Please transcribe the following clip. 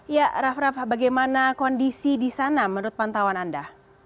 ya raff raff bagaimana kondisi di sana menurut pantauan anda